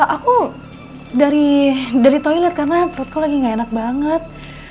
aku dari toilet karena perutku lagi gak enak banget